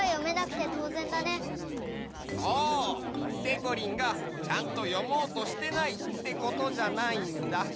でこりんがちゃんと読もうとしてないってことじゃないんだ。